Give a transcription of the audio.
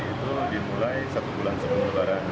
itu dimulai satu bulan sebelum lebaran